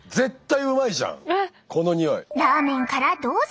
ラーメンからどうぞ！